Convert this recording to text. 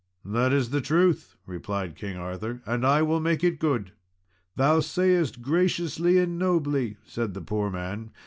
"That is the truth," replied King Arthur, "and I will make it good." "Thou sayest graciously and nobly," said the poor man.